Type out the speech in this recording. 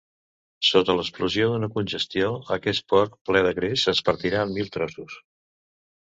Sota l'explosió d'una congestió, aquest porc ple de greix es partirà en mil trossos.